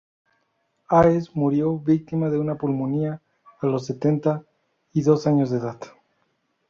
Haes murió, víctima de una pulmonía, a los setenta y dos años de edad.